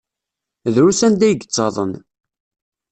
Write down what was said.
Drus anda ay yettaḍen.